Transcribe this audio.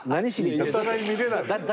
お互い見れないんだ。